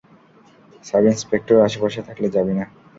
Sub inspector আশেপাশে থাকলে যাবি না।